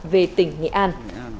về tỉnh nghệ an